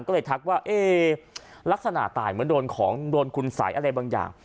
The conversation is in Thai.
ก็เลยทักว่าเอ๊ลักษณะตายเหมือนโดนของโดนคุณสัยอะไรบางอย่าง